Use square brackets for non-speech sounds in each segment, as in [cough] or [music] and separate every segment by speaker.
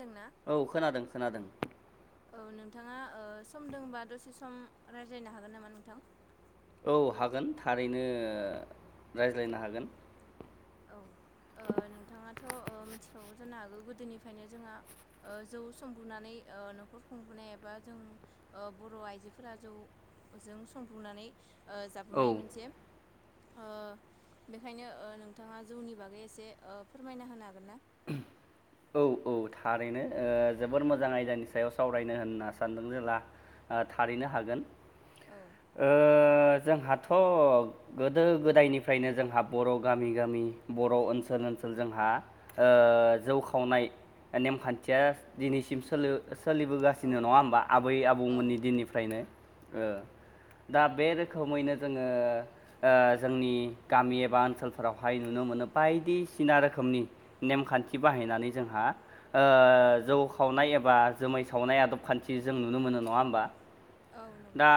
Speaker 1: दोंना
Speaker 2: औ खोनादों खोनादों
Speaker 1: औ नोंथाङा ओ सम दंबा दसे सम रायज्लायनो हागोन नामा नोंथां?
Speaker 2: औ हागोन थारैनो रायज्लायनो हागोन
Speaker 1: औ ओ नोंथाङाथ' ओ मिथिखागौ जानो हागौ गोदोनिफ्रायनो जोंहा ओ जौ संबोनानै ओ न'खर खुंबोनाय एबा जों बर' आइजोफोरा जौजों संफुंनानै ओ
Speaker 2: औ
Speaker 1: जाबोनाय मोनसे ओ बेखायनो ओ नोंथाङा जौनि बागै एसे ओ फोरमायना होनो हागोन ना?
Speaker 2: औ औ थारैनो ओ जोबोर मोजां आयदानि सायाव सावरायनो होनना सानदों जेला आं थारैनो हागोन
Speaker 1: औ
Speaker 2: ओ जोंहाथ' गोदो गोदायनिफ्रायनो जोंहा बर' गामि गामि बर' ओनसोल ओनसोल जोंहा ओ जौखावनाय नेमखान्थिया दिनैसिम सोलो सोलिबोगासिनो
Speaker 1: औ
Speaker 2: नङा होमबा आबै आबौमोननि दिननिफ्रायनो ओ दा बे रोखोमैनो जोङो ओ जोंनि गामि एबा ओनसोलफोरावहाय नुनो मोनो बायदिसिना रोखोमनि नेमखान्थि बाहायनानै जोंहा ओ जौ खावनाय एबा जुमाइ सावनाय आदब खान्थि जों नुनो मोनो नङा होमबा?
Speaker 1: औ नंगौ
Speaker 2: दा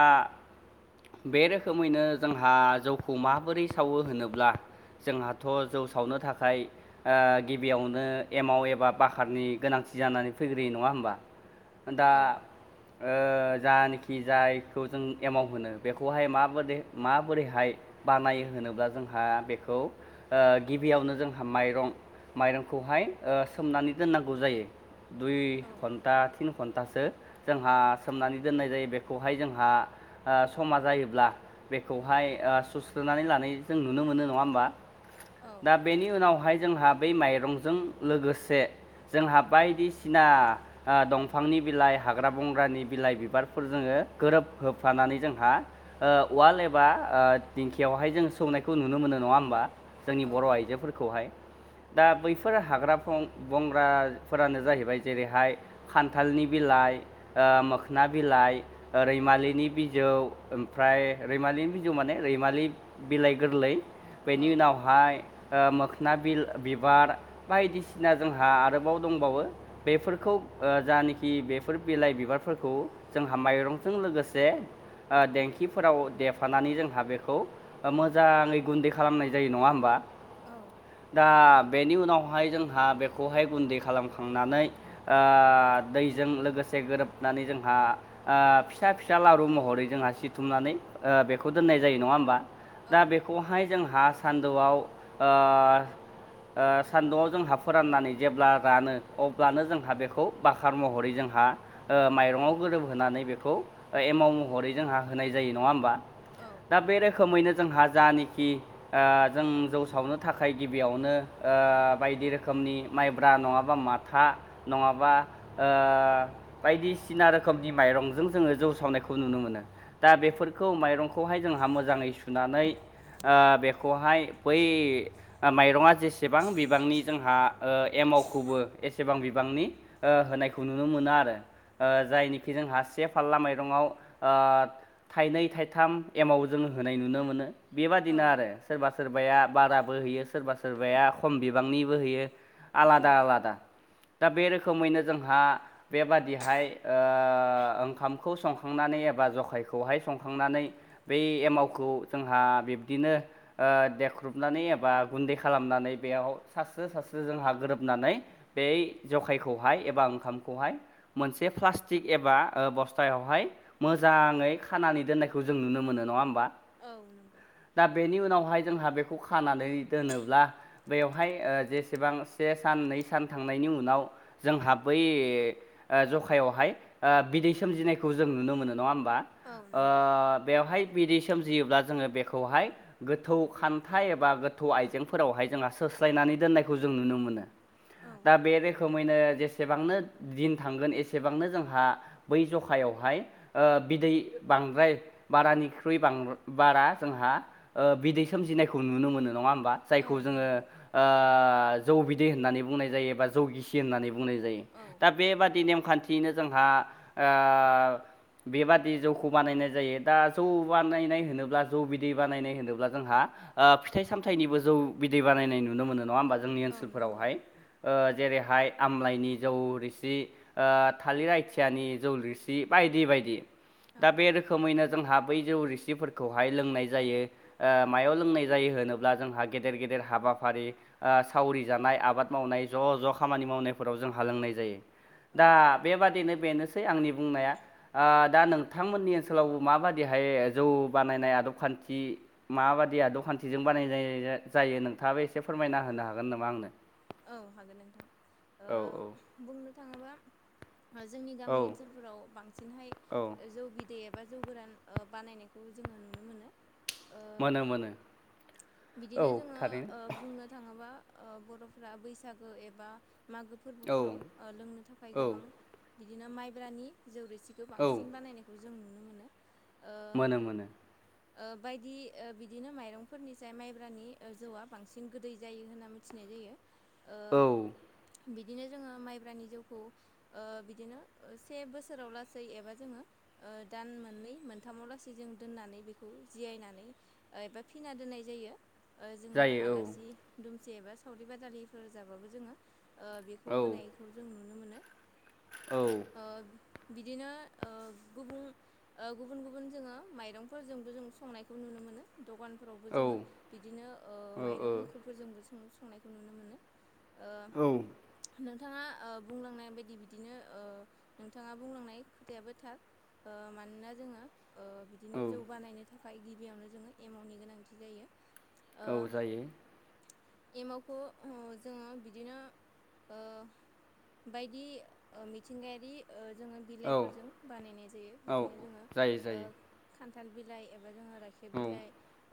Speaker 2: बे रोखोमैनो जोंहा जौखौ माबोरै सावो होनोब्ला जोंहाथ' जौ सावनो थाखाय ओ गिबियावनो एमाव एबा बाखारनि गोनांथि जानानै फैग्रोयो नङा होनबा दा
Speaker 1: औ
Speaker 2: ओ जानाखि जायखौ जों एमाउ होनो बेखौहाय माबोरै माबोरैहाय बानाय होनोब्ला जोंहा बेखौ ओ गिबियावनो जोंहा माइरं माइरंखौहाय ओ सोमनानै दोननांगौ जायो दुइ
Speaker 1: औ
Speaker 2: घन दा थिन घन्टासो जोंहा सोमनानै दोननाय जायो बेखौहाय जोंहा ओ समा जायोब्ला बेखौहाय सुस्रोननानै लानाय जों नुनो मोनो नङा होमबा? दा
Speaker 1: औ
Speaker 2: बेनि उनावहाय जोंहा बै माइरंजों लोगोसे जोंहा बायदिसिना ओ दंफांनि बिलाइ हाग्रा बंग्रानि बिलाइ बिबारफोर जोङो गोरोब होफ्लानानै जोंहा ओ उवाल एबा ओ दिंखियावहाय जोङो सौनायखौ नुनो मोनो नङा होमबा? जोंनि बर' आइजोफोरखौहाय दा बैफोर हाग्रा बं बंग्राफोरानो जाहैबाय जेरैहाय खान्थालनि बिलाइ ओ मोखोना बिलाइ रैमालिनि बिजौ ओमफ्राय रैमालिनि बिजौ माने रैमालि बिलाइ गोरलै। बेनि
Speaker 1: औ
Speaker 2: उनावहाय मोखोना बि बिबार बायदिसिना जोंहा आरोबाव दंबावो। बेफोरखौ ओ जानाखि बेफोर बिलाइ बिबारफोरखौ जोंहा माइरंजों लोगोसे ओ देंखिफोराव देफानानै जोंहा बेखौ मोजाङै गुन्दै खालामनाय जायो नङा होमबा?
Speaker 1: औ
Speaker 2: दा बेनि उनावहाय जोंहा बेखौहाय गुन्दै खालामखांनानै आ दैजों लोगोसे गोरोबनानै जोंहा आ फिसा फिसा लारु महरै जोंहा सिथुमनानै ओ बेखौ दोननाय जायो नङा होमबा? दा
Speaker 1: औ
Speaker 2: बेखौ फाय जोंहा सान्दुंआव ओ ओ सान्दुंआव जोंहा फोराननानै जेब्ला रानो अब्लानो जोंहा बेखौ बाखार महरै जोंहा ओ माइरंआव गोरोबहोनानै बेखौ एमाव महरै जोंहा होनाय जायो नङा होमबा?
Speaker 1: औ
Speaker 2: दा बे रोखोमैनो जोंहा जानाखि जों जौ सावनो थाखाय गिबियावनो ओ बायदि रोखोमनि माइब्रा नङाबा माथा नङाबा ओ बायदिसिना रोखोमनि माइरंजों जोङो जौ सावनायखौ नुनो मोनो। दा
Speaker 1: औ
Speaker 2: बेफोरखौ माइरंखौहाय जोंहा मोजाङै सुनानै ओ बेखौहाय बै माइरङा जेसे गोबां बिबांनि जोंहा ओ एमावखौबो एसेबां बिबांनि ओ होनायखौ नुनो मोनो आरो। ओ जायनिखि जोंहा से फालला माइरङाव ओ थाइनै थाइथाम एमाव जोङो होनाय नुनो मोनो। बेबादिनो आरो सोरबा सोरबाया बाराबो होयो सोरबा सोरबाया खम बिबांनिबो होयो
Speaker 1: औ
Speaker 2: आलादा आलादा। दा बे रोखोमैनो जोंहा बेबादिहाय ओ ओंखामखौ सं संनानै एबा जखायखौहाय संखांनानै बै एमावखौ जोंहा बिब्दिनो ओ देख्रुबनानै एबा गुन्दै खालामनानै। बेयाव सासस्रो सासस्रो जोंहा गोरोबनानै बै जखायखौहाय एबा ओंखामखौहाय मोनसे प्लास्टिक एबा बस्थायावहाय मोजाङै खानानै दोननायखौ जों नुनो मोनो नङा होमबा?
Speaker 1: औ नंगौ
Speaker 2: दा बेनि उनावहाय जोंहा बेखौ खानानै दोनोब्ला बेयावहाय ओ जेसेबां से सान नै सान थांनायनि उनाव जोंहा बै ओ जखायावहाय ओ बिदै सोमजिनायखौ जों नुनो मोनो नङा होमबा?
Speaker 1: औ
Speaker 2: ओ
Speaker 1: नंगौ
Speaker 2: बेवहाय बिदि सोमजियोब्ला जोङो बेखौहाय गोथौ खान्थाइ एबा गोथौ आइजेंफोरावहाय जोंहा सोस्लायनानै दोननायखौ जों नुनो मोनो।
Speaker 1: औ
Speaker 2: दा बे रोखोमैनो जेसेबांनो दिन थांगोन एसेबांनो जोंहा बै जखायावहाय ओ बिदै बांद्राय बारानिख्रुइ बां बारा जोंहा बिदै सोमजिनायखौ नुनो मोनो नङा होमबा?
Speaker 1: औ
Speaker 2: जायखौ जोङो
Speaker 1: नंगौ
Speaker 2: आ जौ बिदै होननानै बुंनाय जायो बा जौगिसि होननानै बुंनाय जायो। जायो
Speaker 1: औ
Speaker 2: दा बेबादि नेमखान्थियैनो जोंहा ओ बेबादि जौखौ बानायनाय जायो दा जौ बानायनाय होनोब्ला जौ बिदै बानायनाय होनोब्ला जोंहा आ फिथाइ सामथाइनिबो जौ बिदै बानायनाय नुनो मोनो नङा होमबा जोंनि
Speaker 1: औ नंगौ
Speaker 2: ओनसोलफोरावहाय। ओ जेरैहाय आमलाइनि जौ रोसि ओ थालिर आथियानि जौ रोसि बायदि बायदि
Speaker 1: औ
Speaker 2: दा बे रोखोमैनो जोंहा बै जौ रिसिफोरखौहाय लोंनाय जायो। ओ मायाव लोंनाय जायो होनोब्ला जोंहा गेदेर गेदेर हाबा हाबाफारि आ सावरि जानाय आबाद मावनाय ज' ज' खामानि मावनायफोराव जों हा लोंनाय जायो।
Speaker 1: औ
Speaker 2: दा बेबादिनो बेनोसै आंनि बुंनाया। दा नोंथांमोननि ओनसोलावबो माबायदिहाय जौ बानायनाय आदब खान्थि माबादिया आदबखानथिजों बानाय जायो नोंथाङाबो एसे फोरमायना होनो हागोन नामा आंनो?
Speaker 1: औ हागोन नोंथां
Speaker 2: औ औ
Speaker 1: ओ बुंनो थाङोबा जोंनि
Speaker 2: औ
Speaker 1: गामि ओनसोलफोराव बांसिनहाय
Speaker 2: औ
Speaker 1: जौ बि दे एबा जौ गोरान ओ बानायनायखौ जोङो नुनो मोनो। ओ
Speaker 2: मोनो मानो ‌।
Speaker 1: बिदिनो जोङो ओ बुंनो थाङोबा ओ बर'फोरा बैसागो एबा मागो
Speaker 2: औ
Speaker 1: फोरबोफोराव ओ लोंनो थाखाय
Speaker 2: औ
Speaker 1: गोबां बिदिनो माइब्रानि जौरिसिखौ
Speaker 2: औ
Speaker 1: बांसिन बानायनाय खौ जों नुनो मोनो ओ
Speaker 2: मोनो मोनो
Speaker 1: ओ बायदि ओ बिदिनो माइरंफोरनि जाय माइब्रानि ओ जौआ बांसिन गोदै जायो होनना मिथिनाय जायो
Speaker 2: औ
Speaker 1: ओ बिदिनो जोङो माइब्रानि जौखौ ओ बिदिनो से बोसोराव लासै एबा जोङो ओ दान मोननै मोनथामाव लासै जों दोननानै बेखौ जिरायनानै ओ‌ एबा फिना दोननाय जायो ओ जोंङो
Speaker 2: जायो
Speaker 1: आलासि
Speaker 2: औ
Speaker 1: दुमसि एबा सावरि बादालिफोर जाबाबो जोङो ओ बेखौ
Speaker 2: औ
Speaker 1: होनायखौ जों नुनो मोनो।
Speaker 2: औ।
Speaker 1: ओ बिदिनो ओ गुबुं ओ गुबुन गुबुन जोङो माइरंफोरजोंबो जों संनायखौ नुनो मोनो। दखानफोरावबो जोङो
Speaker 2: औ
Speaker 1: बिदिनो ओ माइरं ओंखुरफोरजोंबो सं‌ संनायखौ नुनो मोनो।
Speaker 2: औ
Speaker 1: ओ नोंथाङा ओ बुंलांनाय बायदि ओ बिदिनो नोंथाङा बुंलांनाय खोथायाबो थार। ओ मानोना जोङो ओ
Speaker 2: औ
Speaker 1: बिदिनो जौ बानायनो थाखाय गिबियावनो जोङो एमावनि गोनांथि जायो।
Speaker 2: औ जायो
Speaker 1: ओ एमावखौ ओ जोङो बिदिनो ओ बायदि ओ मिथिंगायारि ओ जोङो
Speaker 2: औ
Speaker 1: बिलाइफोरजों बानायनाय जायो
Speaker 2: औ
Speaker 1: बिदिनो जोङो
Speaker 2: जायो
Speaker 1: ओ
Speaker 2: जायो
Speaker 1: खान्थाल बिलाइ एबा जोङो राखेब
Speaker 2: औ
Speaker 1: बिलाइ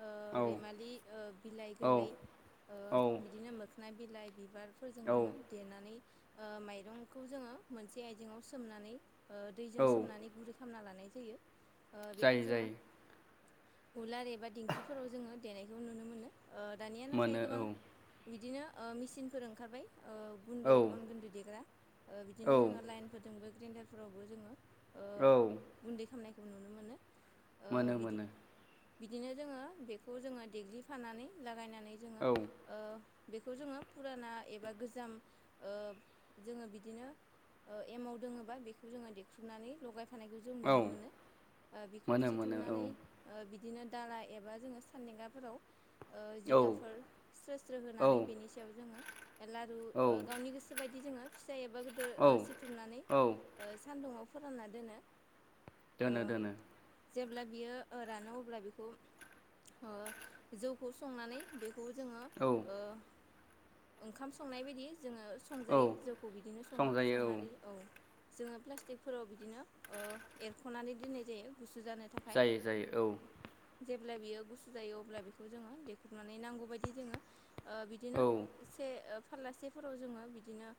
Speaker 1: ओ
Speaker 2: औ
Speaker 1: रैमालि ओ बिलाइ
Speaker 2: औ
Speaker 1: गोरलै
Speaker 2: औ
Speaker 1: ओ बिदिनो मोखोन बिलाइ बिबार फोरजों
Speaker 2: औ
Speaker 1: जोङो देनानै ओ माइरंखौ जोङो मोनसे आइजेंआव सोमनानै ओ दैजों
Speaker 2: औ
Speaker 1: सोमनानै गुरै खालामना लानाय जायो ओ
Speaker 2: जायो
Speaker 1: बेखौ जोङो
Speaker 2: जायो
Speaker 1: उलार एबा दिंखिफोराव जोङो देनायखौ नुनो मोनो ओ दानिया नाथाय
Speaker 2: मोनो
Speaker 1: गोबां बिदिनो ओ मेसिनफोर ओंखारबाय
Speaker 2: औ
Speaker 1: गुन्दै अन गुन्दै देग्रा ओ
Speaker 2: औ
Speaker 1: बिदिनो जोङो लाइन फोदोंबो ग्रेन्डारफोरावबो जोङो ओ
Speaker 2: औ।
Speaker 1: गुन्दै खालामामनायखौ नुनो मोनो ओ
Speaker 2: मोनो
Speaker 1: बिदि
Speaker 2: मोनो
Speaker 1: बिदिनो जोङो बे खौ जोङो देग्लिफानानै लागायनानै जोङो
Speaker 2: औ
Speaker 1: ओ बेखौ जोङो फुराना एबा गोजाम ओ जोङो बिदिनो ओ एमाव दङोबा बेखौ जोङो देख्रुबनानै लगायफानायखौ जों
Speaker 2: औ
Speaker 1: नुनो मोनखौ ओ
Speaker 2: मोनो मोनो
Speaker 1: सिथुमनानै
Speaker 2: औ
Speaker 1: बिदिनो दाला एबा जोंङो सानदेंगाफोराव ओ
Speaker 2: औ
Speaker 1: जिगाबफोर स्रो स्रो
Speaker 2: औ
Speaker 1: होनानै बेनि सायाव जोङो लारु
Speaker 2: औ
Speaker 1: ओ गावनि गोसो बायदि जोङो फिसा एबा गोदो
Speaker 2: औ
Speaker 1: ओ सिथुमनानै
Speaker 2: औ
Speaker 1: सान्दुुंाव फोरानना दोनो ओ
Speaker 2: दोनो दोनो
Speaker 1: जेब्ला बियो ओ रानो अब्ला बेखौ ओ जौखौ संनानै बेखौ जोङो
Speaker 2: औ
Speaker 1: ओ ओंखाम संनाय बायदि जोङो
Speaker 2: औ
Speaker 1: संजायो जौखौ बिदिनो सङो संनानै औ ‌। जोङो प्लास्टिकफोराव बिदिनो ओ एरख'नानै दोननाय जायो गुसु जानाय थाखाय
Speaker 2: जायो जायो
Speaker 1: जेब्ला बियो गु सु जायो अब्ला बेखौ जोङो देखुबनानै नांगौ बदि जोङो ओ बिदिनो
Speaker 2: औ
Speaker 1: से ओ फारलासेफोराव जोङो बिदिनो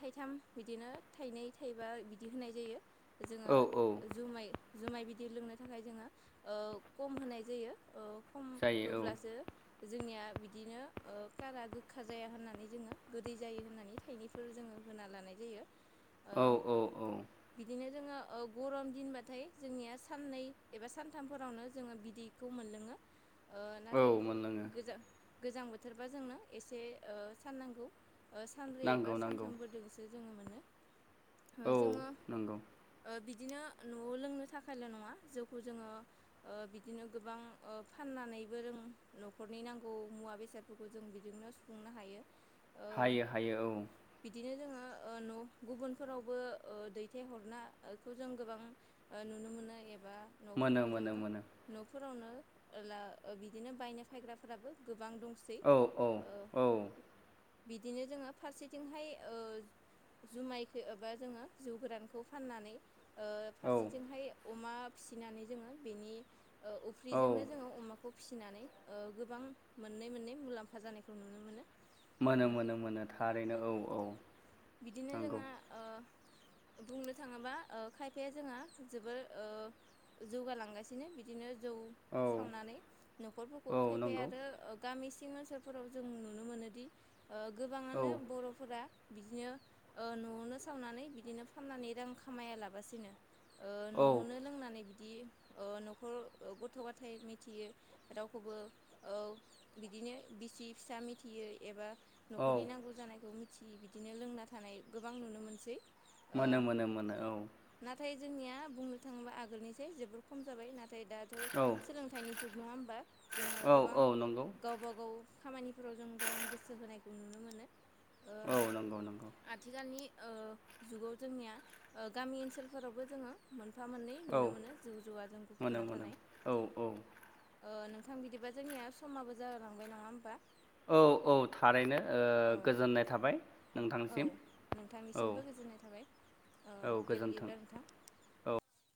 Speaker 1: थाइथाम बिदिनो थाइनै थाइबा बिदि होनाय जायो। जोङो
Speaker 2: औ औ
Speaker 1: जुमाय जुमाय बिदि लोंनो थाखाय जोङो ओ खम होनाय जायो। खम
Speaker 2: जायो
Speaker 1: होब्लासो जोंनिया बिदिनो कारा गोखा जाया होननानै जोङो गोदै जायो होननानै थाइनै फोर जोङो होना लानाय जायो।
Speaker 2: [inaudible]
Speaker 1: ओ
Speaker 2: औ औ
Speaker 1: बिदिनो जोङो ओ गरम दिनबाथाय जोंनिया साननै एबा सानथामफोरावनो जोङो बिदैखौ मोनलों नाथाय
Speaker 2: औ मोनलोङो
Speaker 1: गोजां गोजां बोथोरबा जोंनो एसे साननांगौ सानब्रै एबा
Speaker 2: नांगौ नांगौ
Speaker 1: सानथाम फोरजोंसो जोङो मोनो
Speaker 2: औ
Speaker 1: जोङो
Speaker 2: नंगौ
Speaker 1: बिदिनो न'आव लोंनो थाखायल' नङा जौखौ जोङो बिदिनो गोबां फाननानैबो जों न'खरनि नांगौ मुवा बेसादफोरखौ जों बिजोंनो सुफुंनो हायो। ओ
Speaker 2: हायो हायो औ।
Speaker 1: बिदिनो जोङो ओ न' गुबुनफोरावबो ओ दैथायहरनायखौ जों गोबां ओ नुनो मोनो एबा
Speaker 2: मोनो
Speaker 1: न'फोराव
Speaker 2: मोनो
Speaker 1: जोङो
Speaker 2: मोनो
Speaker 1: न'फोरावनो बिदिनो बायनो फायग्राफोराबो गोबां दं सै
Speaker 2: औ औ औ
Speaker 1: बिदिनो जोङो फारसेथिंहाय ओ जुमायखौ एबा जोङो जिउ गोरानखौ फाननानै
Speaker 2: औ
Speaker 1: फारसेथिंहाय अमा फिसिनानै जोङो बेनि
Speaker 2: औ
Speaker 1: उफ्रिजोंनो जोङो अमा खौ फिसिनानै ओ गोबां मोननै मोननै मुलाम्फा जानायखौ नुनो मोनो। ओ
Speaker 2: मोनो मोनो मोनो थारैनो औ औ।
Speaker 1: बिदिनो जोङो
Speaker 2: [inaudible]
Speaker 1: बुंनो थाङोबा ओ खायफाया जोंहा जोबोर ओ जौगालांगासिनो बिदिनो जौ
Speaker 2: औ
Speaker 1: सावनानै न'खरफोरखौ
Speaker 2: औ
Speaker 1: खायफाया
Speaker 2: नंगौ
Speaker 1: आरो ओ गामि सिं ओनसोलफोराव जों नुनो मोनोदि ओ
Speaker 2: औ
Speaker 1: गोबाङानो बर'फोरा बिदिनो न'आवनो सावनानै बिदिनो फाननानै रां खामायालाबासिनो न'आवनो लोंनानै बि दि ओ न'खर गथ' गथाय मिथियो रावखौबो ओ बिदिनो बिसि फिसा मिथियै एबा
Speaker 2: औ
Speaker 1: न'खरनि नांगौ जानायखौ मिथिय बिदिनो लोंना थानाय गोबां नुनो मोनसै। ओ
Speaker 2: मोनो मोनो मोनो औ
Speaker 1: नाथाय जोंनिया बुंनो थाङोब्ला आगोलनिसै जोबोर खम जाबाय ना नाथाय दाथ' सोलोंथाइनि जुग नङा हबा जोङो
Speaker 2: औ औ
Speaker 1: गोबां
Speaker 2: नंगौ
Speaker 1: गावबा गाव खामानिफोराव जों गोबां गोसो होनायखौ नुनो मोनो। ओ
Speaker 2: औ नंगौ नंगौ
Speaker 1: आथिखालनि ओ जुगाव जोंनिया ओ गामि ओनसोलफोरावबो जोङो मोनफा मोननै
Speaker 2: औ
Speaker 1: नुनो मोनो जौ जुवाजों
Speaker 2: मोनो
Speaker 1: गुफुबना
Speaker 2: मोनो
Speaker 1: थानाय।
Speaker 2: औ औ
Speaker 1: ओ नोंथां बिदिबा जोंनिया समाबो जालांबाय नङा होमबा?
Speaker 2: औ औ थारैनो ओ
Speaker 1: औ
Speaker 2: गोजोननाय थाबाय।
Speaker 1: औ
Speaker 2: नोंथांसिम औ
Speaker 1: नोंथांनिसिमबो गोजोननाय थाबाय ओ
Speaker 2: औ
Speaker 1: दे
Speaker 2: गोजोन्थों
Speaker 1: बिदिब्ला नोंथां।